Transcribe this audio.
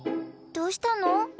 どうしたの？